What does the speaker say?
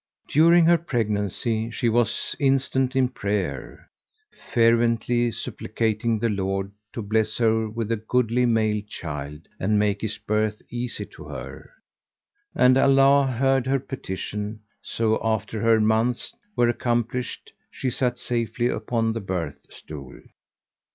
During her pregnancy she was instant in prayer, fervently supplicating the Lord to bless her with a goodly male child and make his birth easy to her; and Allah heard her petition so that after her months were accomplished she sat safely upon the birth stool.